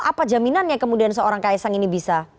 apa jaminannya kemudian seorang kaisang ini bisa